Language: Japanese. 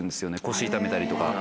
腰痛めたりとか。